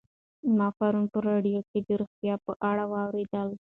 ما پرون په راډیو کې د روغتیا په اړه واورېدل.